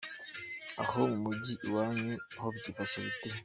Aho mu mijyi iwanyu ho byifashe bite?.